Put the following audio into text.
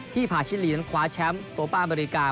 ที่ผ่าชิ้นหรี่แล้วคว้าแชมป์โป้ป้าอเมริกา